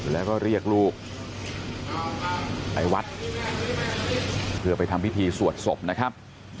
แล้วก็เรียกลูกไปวัดเพื่อไปทำพิธีสวดศพนะครับ